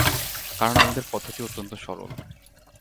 কারণ আমাদের পদ্ধতিও অত্যন্ত সরল।